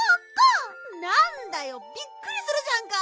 なんだよびっくりするじゃんか！